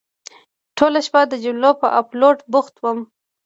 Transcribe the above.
ټوله شپه د جملو په اپلوډ بوخت وم.